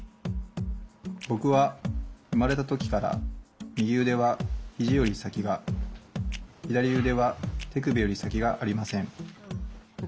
僕は生まれた時から右腕は肘より先が左腕は手首より先がありません。